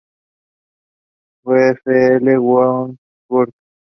VfL Wolfsburg